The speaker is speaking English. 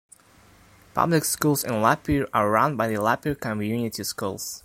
Public schools in the Lapeer are run by the Lapeer Community Schools.